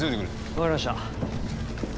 分かりました。